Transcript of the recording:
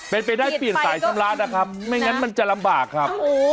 เป็นไปได้เปลี่ยนสายชำระนะครับไม่งั้นมันจะลำบากครับ